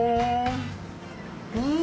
うん！